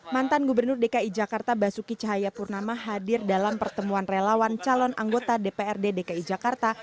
mantan gubernur dki jakarta basuki cahayapurnama hadir dalam pertemuan relawan calon anggota dprd dki jakarta